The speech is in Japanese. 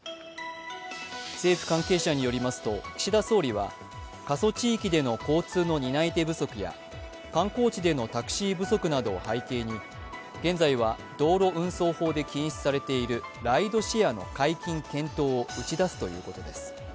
政府関係者によりますと、岸田総理は過疎地域での交通の担い手不足や観光地でのタクシー不足などを背景に現在は道路運送法で禁止されているライドシェアの解禁検討を打ち出すということです。